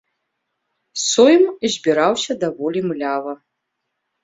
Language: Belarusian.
Сойм збіраўся даволі млява.